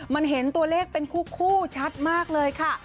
มันเห็นตัวเลขเป็นคู่ชัดมากเลยค่ะ